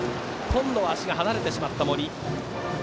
今度は足が離れてしまった森。